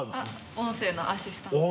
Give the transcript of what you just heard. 音声のアシスタントです。